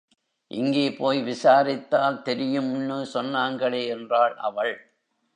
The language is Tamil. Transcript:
இங்கே போய் விசாரித்தால் தெரியும்னு சொன்னாங்களே என்றாள் அவள்.